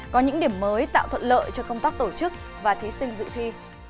có những điểm mới tạo thuận lợi cho công tác tổ chức và thí sinh dự thi